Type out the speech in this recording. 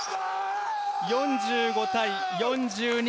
４５対４２。